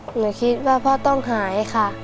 หนูคิดว่าพ่อต้องหายค่ะ